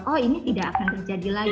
oh ini tidak akan terjadi lagi